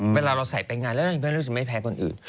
เวลาเราใส่ไปงานแล้วคุณแม่รู้สึกไม่แพ้คนอื่น